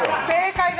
正解！